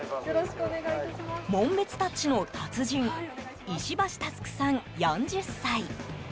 紋別タッチの達人石橋翼さん、４０歳。